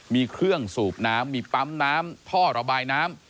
มีเครื่องสูบน้ำมีปั๊มน้ำท่อระบายน้ำ